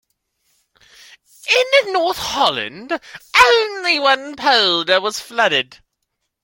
In North Holland only one polder was flooded.